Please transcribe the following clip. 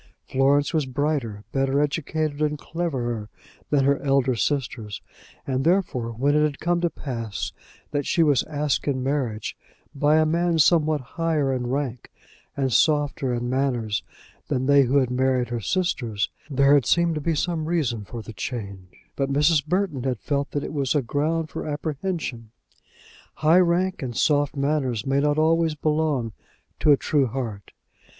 Florence was brighter, better educated, and cleverer than her elder sisters, and therefore when it had come to pass that she was asked in marriage by a man somewhat higher in rank and softer in manners than they who had married her sisters, there had seemed to be some reason for the change; but Mrs. Burton had felt that it was a ground for apprehension. High rank and soft manners may not always belong to a true heart.